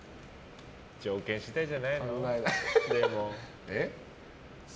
条件次第じゃないの？